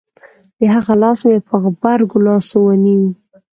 د هغه لاس مې په غبرگو لاسو ونيو.